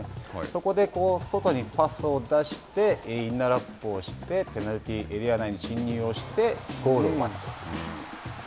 そこで、外にパスを出してインナーラップをしてペナルティーエリア内に進入してゴールを奪うと。